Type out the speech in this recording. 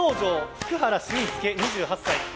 福原俊介、２８歳。